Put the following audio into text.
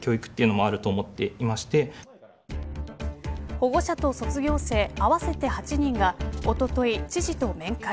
保護者と卒業生合わせて８人がおととい、知事と面会。